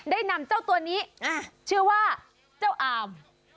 ได้นำเจ้าตัวนี้ชื่อว่าเจ้าอาม